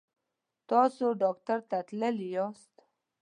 تاسو ډاکټر ته تللي یاست؟